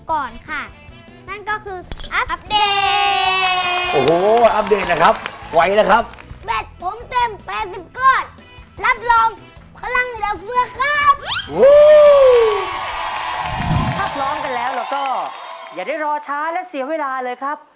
ถ้าพร้อมกันแล้วเราก็อย่าได้รอช้าและเสียเวลาเลยครับ